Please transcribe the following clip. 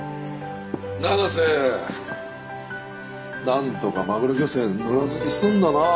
なんとかマグロ漁船乗らずに済んだな。